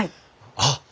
あっ！